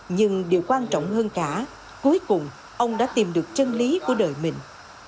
nhưng điều quan trọng hơn cả cuối cùng ông đã tìm được chân lý của đời mình